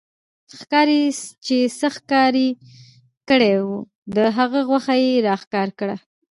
ښکارې چې څه ښکار کړي وو، د هغه غوښه يې را ښکاره کړه